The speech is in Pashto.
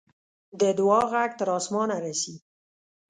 د دعا ږغ تر آسمانه رسي.